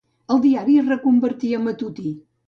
El diari es reconvertí a matutí.